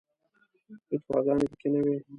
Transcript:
فتواګانې په کې نه وي.